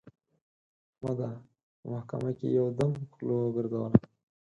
احمد په محکمه کې یو دم خوله وګرځوله.